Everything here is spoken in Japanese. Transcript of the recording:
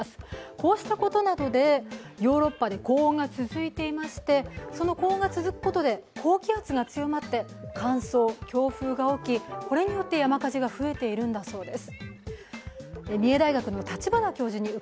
こうしたことなどで、ヨーロッパなどで高温が続いていまして、その高温が続くことで高気圧が強まって、乾燥、強風が起きこれによって山火事が増えているんだそうです